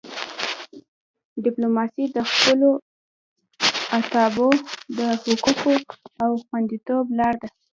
ډیپلوماسي د خپلو اتباعو د حقوقو د خوندیتوب لار ده.